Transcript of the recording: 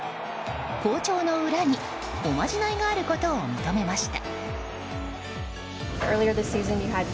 好調の裏におまじないがあることを認めました。